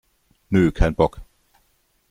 Nö, kein Bock!